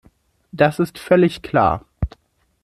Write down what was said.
Das ist völlig klar.